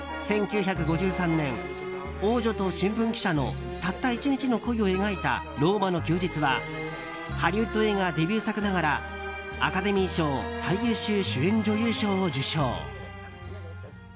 １９５３年、王女と新聞記者のたった１日の恋を描いた「ローマの休日」はハリウッド映画デビュー作ながらアカデミー賞最優秀主演女優賞を受賞。